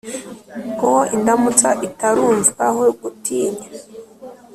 Uwo indamutsa itarumvwaho gutinya,